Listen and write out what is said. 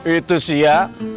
itu sih ya